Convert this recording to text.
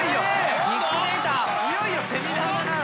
いよいよセミナーだなぁ。